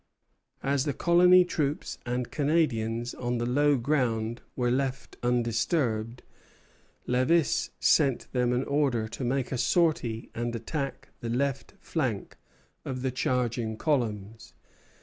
As the colony troops and Canadians on the low ground were left undisturbed, Lévis sent them an order to make a sortie and attack the left flank of the charging columns.